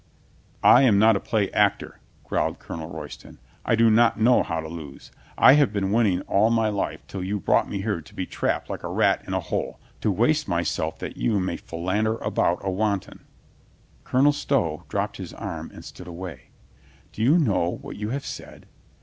"I am not a play actor," growled Colonel Roy ston. "I do not know how to lose. I have been winning all my life till you brought me here to be trapped like a rat in a hole, to waste myself that you may philander about a wanton." Coloned Stow dropped his arm and stood away, "Do you know what you have said?"